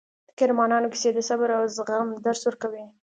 د قهرمانانو کیسې د صبر او زغم درس ورکوي.